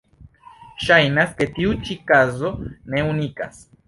Ŝajnas, ke tiu ĉi kazo ne unikas.